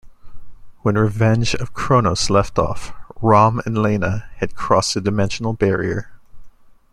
When "Revenge of Cronos" left off, Rom and Leina had crossed a dimensional barrier.